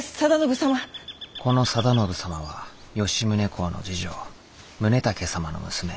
この定信様は吉宗公の次女宗武様の女。